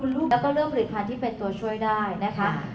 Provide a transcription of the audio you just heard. แล้วก็เริ่มผลิตมาที่เป็นตัวช่วยได้นะคะ